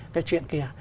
cái chuyện kia